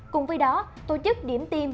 cùng với đó tổ chức điểm tiêm